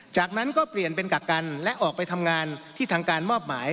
จากนั้นก็เปลี่ยนเป็นกักกันและออกไปทำงานที่ทางการมอบหมาย